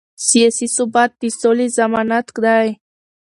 سیاسي ثبات د سولې ضمانت دی